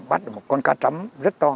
bắt được một con cá trấm rất to